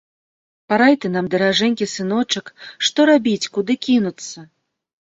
Парай ты нам, даражэнькі сыночак, што рабіць, куды кінуцца.